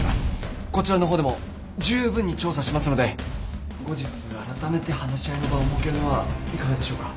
こちらの方でもじゅうぶんに調査しますので後日あらためて話し合いの場を設けるのはいかがでしょうか？